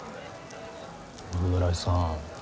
村井さん。